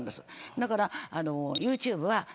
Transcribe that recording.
だからＹｏｕＴｕｂｅは。